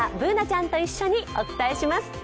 Ｂｏｏｎａちゃんと一緒にお伝えします。